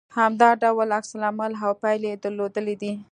همدا ډول عکس العمل او پايلې يې درلودلې دي